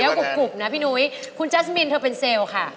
เคี้ยวกรุบนะพี่นุ้ยคุณจ๊าสมินเธอเป็นเซลค่ะ